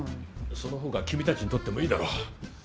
その方が君たちにとっても良いだろう。